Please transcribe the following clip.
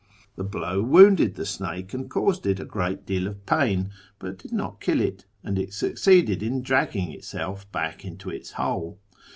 The blow wounded the snake and caused it a great deal of pain, but did not kill it, and it succeeded in dragging itself back into its hole.